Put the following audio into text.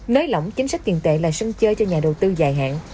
nới lỏng chính sách kinh tế là sân chơi cho nhà đầu tư dài hạn